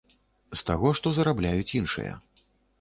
З таго, што зарабляюць іншыя.